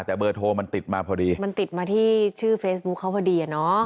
แต่เบอร์โทรมันติดมาพอดีมันติดมาที่ชื่อเฟซบุ๊คเขาพอดีอ่ะเนอะ